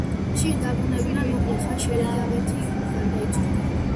შინ დაბრუნებიდან მოკლე ხანში ელიზაბეთი გარდაიცვალა.